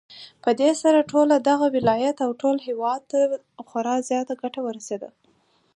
پدې سره ټول دغه ولايت او ټول هېواد ته خورا زياته گټه ورسېده